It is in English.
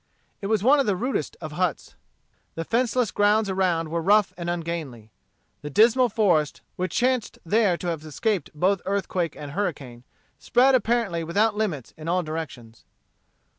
It was one of the rudest of huts. The fenceless grounds around were rough and ungainly. The dismal forest, which chanced there to have escaped both earthquake and hurricane, spread apparently without limits in all directions.